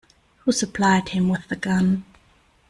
Who supplied him with the gun?